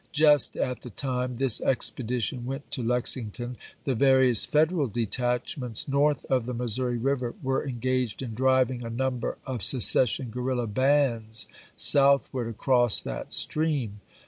Just at the time this expedition went to Lexington, the various Federal detachments north of the Missouri River were engaged in driving a number of secession guerrilla bands southward across that stream.